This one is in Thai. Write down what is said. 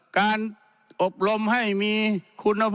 การอบรมให้มีคุณภาพ